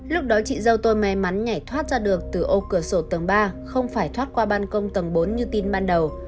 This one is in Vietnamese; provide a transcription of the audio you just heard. lúc đó chị dâu tôi may mắn nhảy thoát ra được từ ô cửa sổ tầng ba không phải thoát qua ban công tầng bốn như tin ban đầu